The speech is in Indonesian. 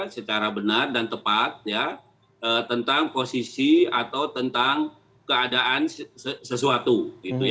secara benar dan tepat ya tentang posisi atau tentang keadaan sesuatu